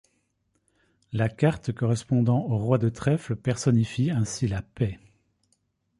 La carte correspondant au roi de trèfle personnifie ainsi la paix.